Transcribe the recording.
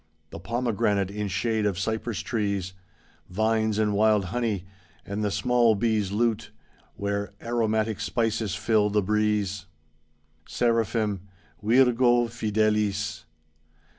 The pomegranate in shade of cypress trees. Vines and wild honey, and the small bees' lute. Where aromatic spices fill the breeze. Seraphim: "Virgo fidelis.'